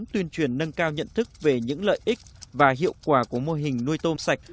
tuyên truyền nâng cao nhận thức về những lợi ích và hiệu quả của mô hình nuôi tôm sạch